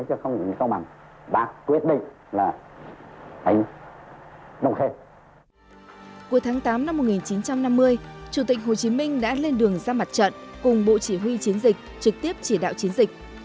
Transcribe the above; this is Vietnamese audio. cuộc tháng tám năm một nghìn chín trăm năm mươi chủ tịch hồ chí minh đã lên đường ra mặt trận cùng bộ chỉ huy chiến dịch trực tiếp chỉ đạo chiến dịch